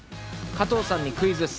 加藤さんにクイズッス！